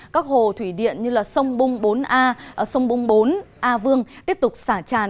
các hồ thủy điện như sông bung bốn a sông bung bốn a vương tiếp tục xả tràn